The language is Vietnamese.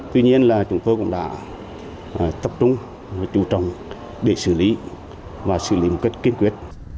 tuy nhiên là chúng tôi cũng đã tập trung và chú trọng để xử lý và xử lý một cách kiên quyết